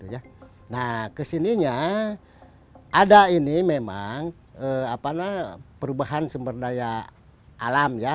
nah kesininya ada ini memang perubahan sumber daya alam ya